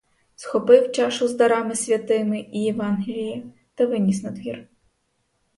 Схопив чашу з дарами святими і євангеліє та виніс надвір.